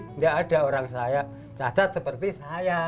tidak ada orang saya cacat seperti saya